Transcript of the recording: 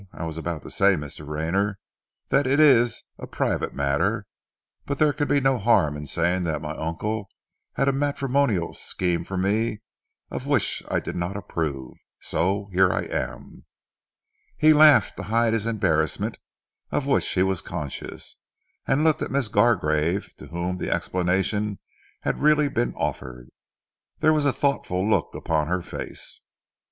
"I was about to say, Mr. Rayner, that it is a private matter; but there can be no harm in saying that my uncle had a matrimonial scheme for me of which I did not approve, so here I am." He laughed to hide his embarrassment of which he was conscious, and looked at Miss Gargrave to whom the explanation had really been offered. There was a thoughtful look upon her face.